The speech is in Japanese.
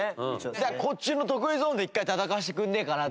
だからこっちの得意ゾーンで一回戦わせてくれねえかなと。